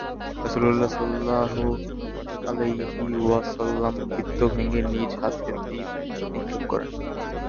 রাসূল সাল্লাল্লাহু আলাইহি ওয়াসাল্লাম বৃত্ত ভেঙ্গে নিজ হাতে তীর নিক্ষেপ করেন।